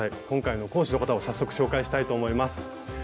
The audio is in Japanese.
今回の講師の方を早速紹介したいと思います。